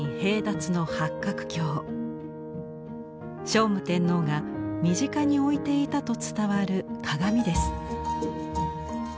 聖武天皇が身近に置いていたと伝わる鏡です。